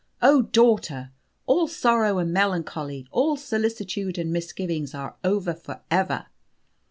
Oh, daughter, all sorrow and melancholy, all solicitude and misgiving are over for ever!